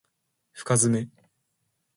深爪